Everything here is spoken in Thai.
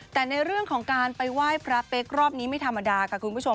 แต่ในเรื่องของการไปไหว้พระเป๊กรอบนี้ไม่ธรรมดาค่ะคุณผู้ชม